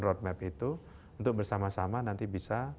road map itu untuk bersama sama nanti bisa